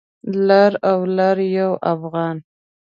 لر او لر یو افغان